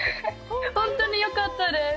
本当によかったです。